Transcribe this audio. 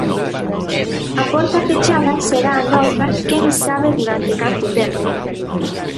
A porta pechada será a norma quen sabe durante canto tempo.